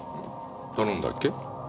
頼んだっけ？